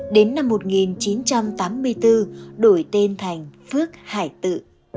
đến năm một nghìn chín trăm tám mươi bốn đổi tên thành phước hải tự